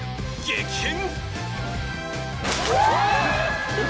激変！？